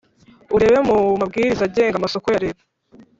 Urebe mu mabwiriza agenga amasoko ya Leta